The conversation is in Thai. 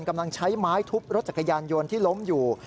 กำลังใช้ไม้ทุบรถจักรยานยนต์ที่ล้มอยู่